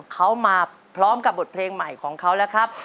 เขามาพร้อมกับบทเพลงใหม่ของเขาแล้วครับ